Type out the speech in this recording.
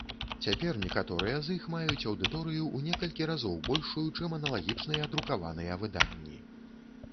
Цяпер некаторыя з іх маюць аўдыторыю ў некалькі разоў большую, чым аналагічныя друкаваныя выданні.